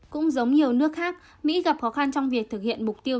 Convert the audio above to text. cũng giống nhiều nước khác mỹ gặp khó khăn trong việc thực hiện mục tiêu